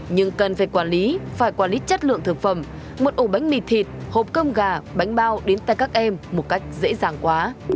nhưng cần phải quản lý phải quản lý chất lượng thực phẩm một ổ bánh mì thịt hộp cơm gà bánh bao đến tại các em một cách dễ dàng quá